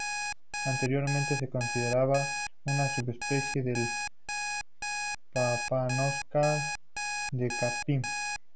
Anteriormente se consideraba una subespecie del papamoscas de Chapin.